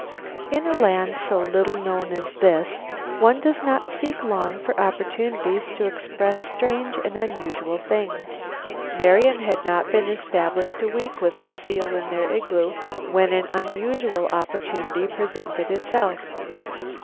In a land so little known as this one does not seek long for opportunities to express strange and unusual things. Marian had not been established a week with Lucile in their igloo, when an unusual opportunity presented itself.